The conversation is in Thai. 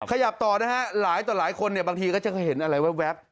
ขยับต่อนะฮะหลายต่อหลายคนเนี่ยบางทีก็จะเห็นอะไรแว๊บ